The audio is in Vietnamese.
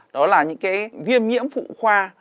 đó là những cái viêm nhiễm phụ khoa